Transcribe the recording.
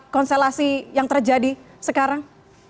konstelasi yang terjadi sekarang